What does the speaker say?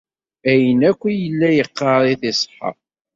Ayen akk i yella yeqqar-t-id iṣeḥḥa.